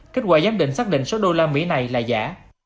kết quả giám định xác định số usd này là giả